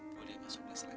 boleh masuk kelas lagi